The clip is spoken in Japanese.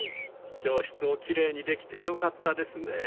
教室を奇麗にできてよかったですねえ。